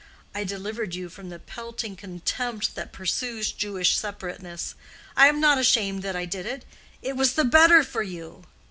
I delivered you from the pelting contempt that pursues Jewish separateness. I am not ashamed that I did it. It was the better for you."